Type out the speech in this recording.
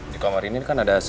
di kamar ini kan ada